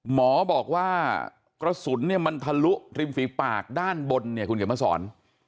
หมอบอกว่ากระสุนมันทะลุริมฝีปากด้านบน